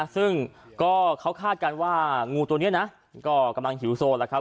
ซึ่งก็เขาคาดการณ์ว่างูตัวนี้นะก็กำลังหิวโซนแล้วครับ